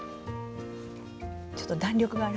ちょっと弾力がありますか？